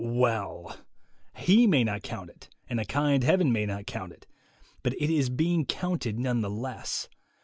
Well! he may not count it, and a kind Heaven may not count it ; but it is being counted none the less.